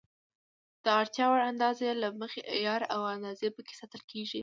د اړتیا وړ اندازې له مخې عیار او اندازه پکې ساتل کېږي.